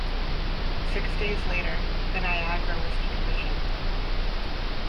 Six days later, the "Niagara" was decommissioned.